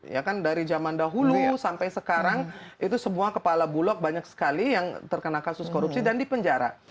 ya kan dari zaman dahulu sampai sekarang itu semua kepala bulog banyak sekali yang terkena kasus korupsi dan dipenjara